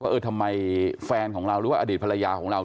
เออทำไมแฟนของเราหรือว่าอดีตภรรยาของเรา